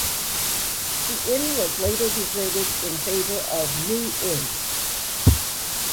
The inn was later deserted in favour of New Inn.